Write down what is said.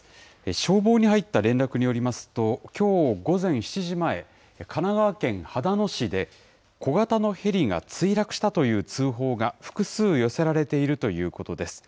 消防に入った連絡によりますと、きょう午前７時前、神奈川県秦野市で、小型のヘリが墜落したという通報が複数寄せられているということです。